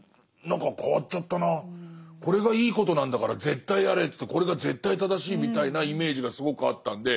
これがいいことなんだから絶対やれってこれが絶対正しいみたいなイメージがすごくあったんで。